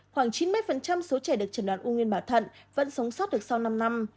khoảng chín mươi số trẻ được trần đoàn ung nguyên bảo thận vẫn sống sót được sau năm năm